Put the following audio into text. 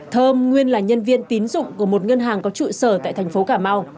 thơm nguyên là nhân viên tín dụng của một ngân hàng có trụ sở tại thành phố cà mau